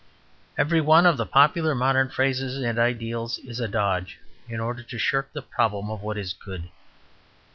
Every one of the popular modern phrases and ideals is a dodge in order to shirk the problem of what is good.